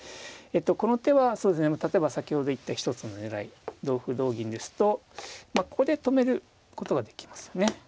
この手は例えば先ほど言った一つの狙い同歩同銀ですとここで止めることができますよね。